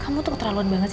kamu tuh terlalu anggun